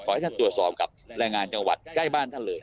ให้ท่านตรวจสอบกับแรงงานจังหวัดใกล้บ้านท่านเลย